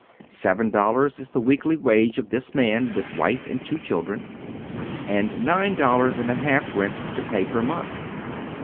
Seven dollars is the weekly wage of this man with wife and two children, and nine dollars and a half rent to pay per month.